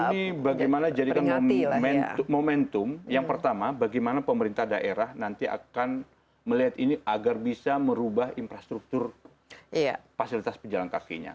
ini bagaimana jadikan momentum yang pertama bagaimana pemerintah daerah nanti akan melihat ini agar bisa merubah infrastruktur fasilitas pejalan kakinya